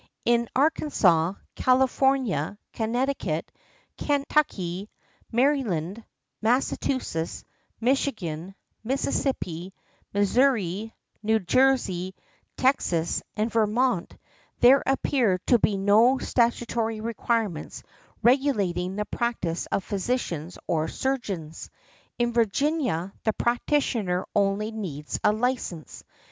In Arkansas, California, Connecticut, Kentucky, Maryland, Massachusetts, Michigan, Mississippi, Missouri, New Jersey, Texas and Vermont, there appear to be no statutory requirements regulating the practice of physicians or surgeons. In Virginia, the practitioner only needs a license.